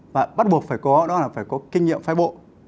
và bắt buộc phải có đó là phải có kinh nghiệm phái bộ